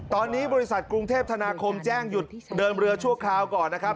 ตอนนี้บริษัทกรุงเทพธนาคมแจ้งหยุดเดินเรือชั่วคราวก่อนนะครับ